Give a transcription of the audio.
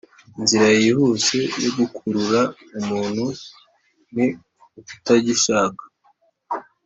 inzira yihuse yo gukurura umuntu ni ukutagishaka.